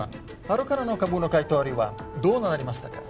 ハルカナの株の買い取りはどうなりましたか？